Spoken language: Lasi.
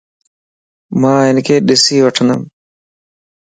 مان ھنک ڏسين وين